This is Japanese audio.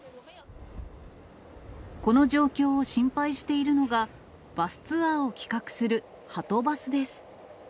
この状況を心配しているのが、バスツアーを企画するはとバスです。